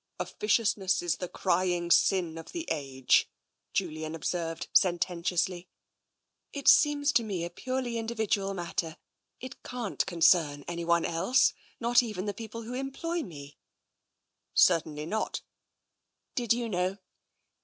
" Officiousness is the crying sin of the age," Julian observed sententiously. " It seems to me a purely individual matter. It can't concern anyone else — not even the people who employ me." " Certainly not." " Did you know?